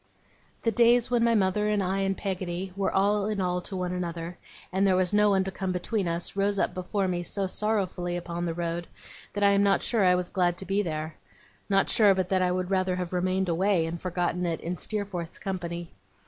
The days when my mother and I and Peggotty were all in all to one another, and there was no one to come between us, rose up before me so sorrowfully on the road, that I am not sure I was glad to be there not sure but that I would rather have remained away, and forgotten it in Steerforth's company.